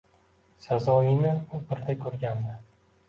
Sazoyini u birda ko‘rgandi.